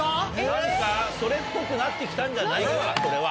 何かそれっぽくなってきたんじゃないのかこれは。